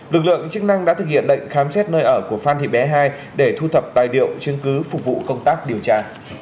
lực lượng chức năng đã thực hiện lệnh khám xét nơi ở của phan thị bé hai để thu thập tài liệu chứng cứ phục vụ công tác điều tra